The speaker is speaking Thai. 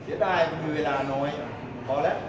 เผื่อตายไข้ฮะเสียดายมีเวลาน้อยพอแล้วตายไข้ได้